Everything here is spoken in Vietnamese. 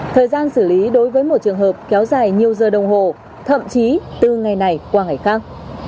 thời gian xử lý đối với một trường hợp kéo dài nhiều giờ đồng hồ thậm chí từ ngày này qua ngày khác